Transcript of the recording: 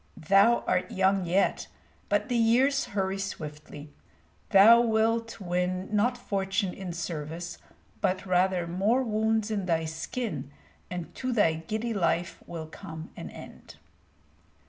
"Thou art young yet, but the years hurry swiftly. Thou wilt win not fortune in service, but rather more wounds in thy skin, and to thy giddy life will come an end."